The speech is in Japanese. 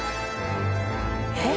えっ！？